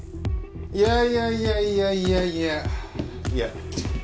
いやいやいやいやいやいやいや。